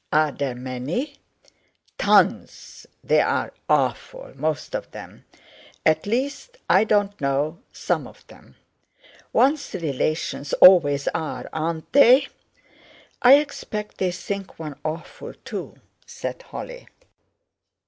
Are there many?" "Tons. They're awful—most of them. At least, I don't know—some of them. One's relations always are, aren't they?" "I expect they think one awful too," said Holly.